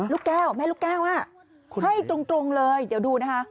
ลูกแก้วแม่ลูกแก้วให้ตรงเลยเดี๋ยวดูนะคะ